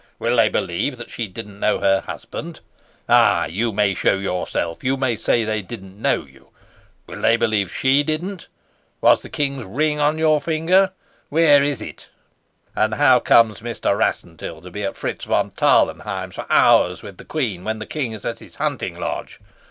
Will they believe that she didn't know her husband? Ay, you may show yourself, you may say they didn't know you. Will they believe she didn't? Was the king's ring on your finger? Where is it? And how comes Mr. Rassendyll to be at Fritz von Tarlenheim's for hours with the queen, when the king is at his hunting lodge?